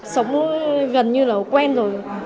sống gần như là quen rồi